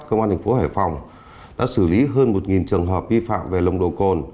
công an tp hải phòng đã xử lý hơn một trường hợp vi phạm về lồng độ cồn